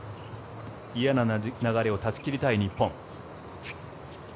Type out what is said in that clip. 嫌な流れを断ち切りたい日本。